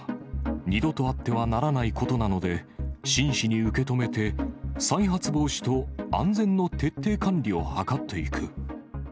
二度とあってはならないことなので、真摯に受け止めて、再発防止と安全の徹底管理を図っていく。